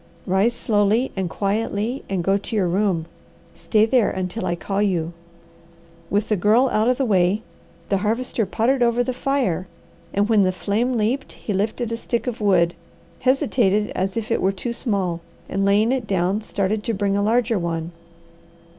"Rise slowly and quietly and go to your room. Stay there until I call you." With the Girl out of the way, the Harvester pottered over the fire, and when the flame leaped he lifted a stick of wood, hesitated as if it were too small, and laying it down, started to bring a larger one.